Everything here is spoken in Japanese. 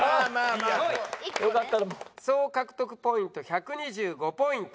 総獲得ポイント１２５ポイント。